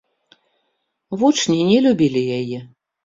Вучні не любілі яе.